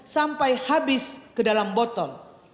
sampai habis ke dalam botol